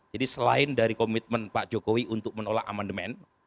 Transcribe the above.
jadi selain dari komitmen pak jokowi untuk menolak amendement